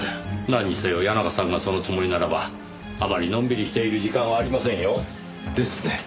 なんにせよ谷中さんがそのつもりならばあまりのんびりしている時間はありませんよ。ですね。